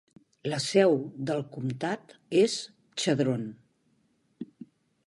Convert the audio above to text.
La seu del comtat és Chadron.